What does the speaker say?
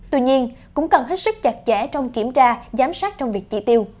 tuy nhiên cũng cần hết sức chặt chẽ trong kiểm tra giám sát trong việc chỉ tiêu